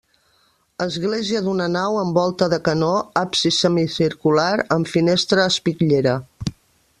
Església d'una nau amb volta de canó, absis semicircular amb finestra espitllera.